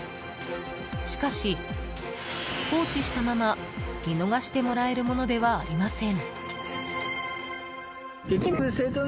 しかし、放置したまま見逃してもらえるものではありません。